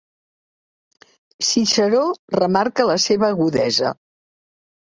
Ciceró remarca la seva agudesa.